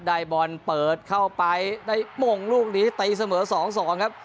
ได้บอลเปิดเข้าไปได้โมงลูกนี้ตีเสมอสองสองครับ